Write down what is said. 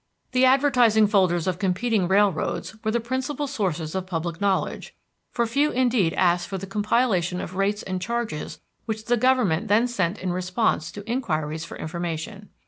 The advertising folders of competing railroads were the principal sources of public knowledge, for few indeed asked for the compilation of rates and charges which the Government then sent in response to inquiries for information.